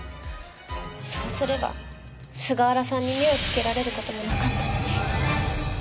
そうすれば菅原さんに目を付けられる事もなかったのに。